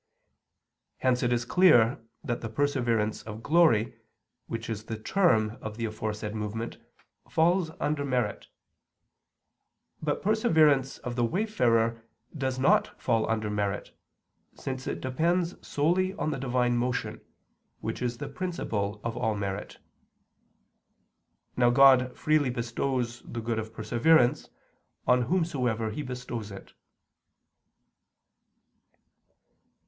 Hence it is clear that the perseverance of glory which is the term of the aforesaid movement falls under merit; but perseverance of the wayfarer does not fall under merit, since it depends solely on the Divine motion, which is the principle of all merit. Now God freely bestows the good of perseverance, on whomsoever He bestows it.